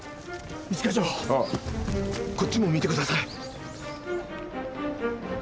一課長こっちも見てください！